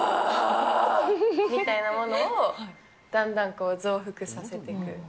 みたいなものを、だんだんこう、増幅させていく。